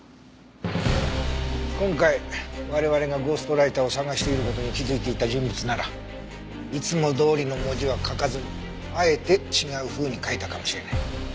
今回我々がゴーストライターを捜している事に気づいていた人物ならいつもどおりの文字は書かずにあえて違うふうに書いたかもしれない。